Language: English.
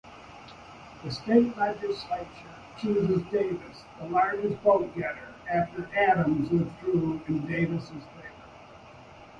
The state legislature chose Davis, the largest vote-getter, after Adams withdrew in Davis' favor.